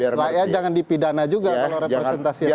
rakyat jangan dipidana juga kalau representasi rakyat